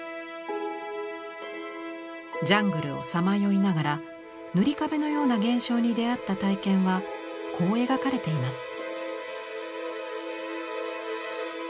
ジャングルをさまよいながら「塗壁」のような現象に出会った体験はこう描かれています。